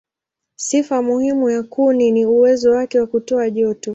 Sifa muhimu ya kuni ni uwezo wake wa kutoa joto.